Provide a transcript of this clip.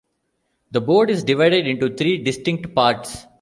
The Board is divided into three distinct parts.